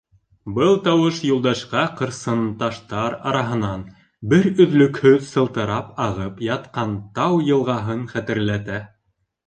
Был тауыш Юлдашҡа ҡырсынташтар араһынан бер өҙлөкһөҙ сылтырап ағып ятҡан тау йылғаһын хәтерләтә.